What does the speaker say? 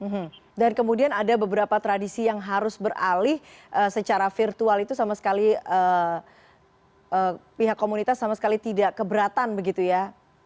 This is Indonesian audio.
hmm dan kemudian ada beberapa tradisi yang harus beralih secara virtual itu sama sekali pihak komunitas sama sekali tidak keberatan begitu ya